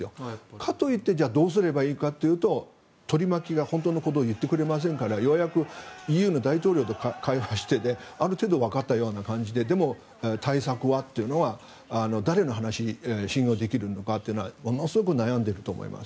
かといってどうすればいいかというと取り巻きは本当のことを言ってくれませんからようやくＥＵの大統領と会話してある程度わかったような感じででも、対策はというのは誰の話が信用できるのかというのはものすごく悩んでいると思います。